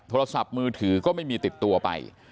โทรศัพท์มือถือก็ไม่มีติดตัวไป